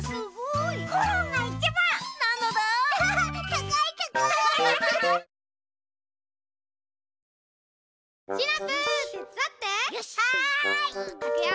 いくよ？